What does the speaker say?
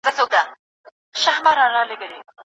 موټر چلونکی په خپل مات زړه کې د امید هیلې لرلې.